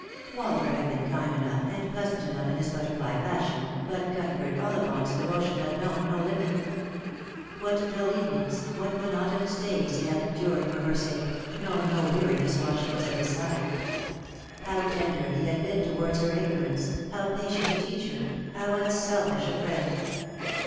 Walter had been kind enough and pleasant enough in his butterfly fashion, but Cuthbert Olli vant's devotion had known no limit. What dull evenings, what 152 Lost for Love. monotonous days he had endured for her sake, knowing no weariness while she was at his side ! How tender he had been towards her ignorance, how patient a teacher, how unselfish a friend